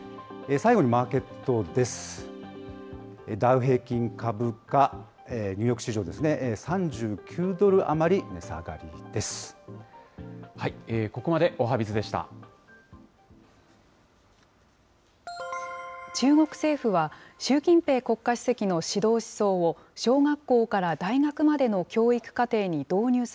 最後にマーケットです。